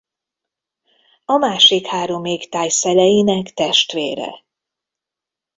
A másik három égtáj szeleinek testvére.